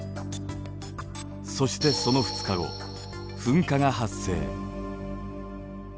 そしてその２日後噴火が発生。